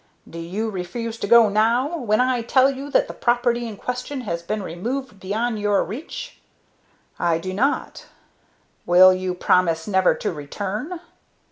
"Do you refuse to go now, when I tell you that the property in question has been removed beyond your reach?" "I do not." "Will you promise never to return?"